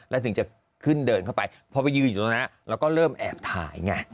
แล้วถึงจะขึ้นเดินเข้าไปพอไปยืนอยู่ตรงนั้นแล้วก็เริ่มแอบถ่ายไง